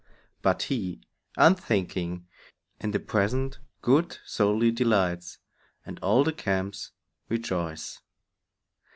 But he, unthinking, in the present good Solely delights, and all the camps rejoice.